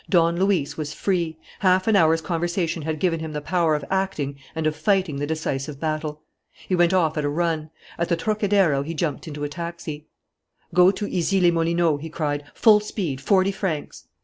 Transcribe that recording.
Don Luis was free. Half an hour's conversation had given him the power of acting and of fighting the decisive battle. He went off at a run. At the Trocadéro he jumped into a taxi. "Go to Issy les Moulineaux!" he cried. "Full speed! Forty francs!"